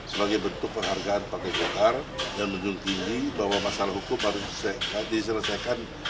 sebagai bentuk penghargaan partai golkar dan menjunkingi bahwa masalah hukum harus diselesaikan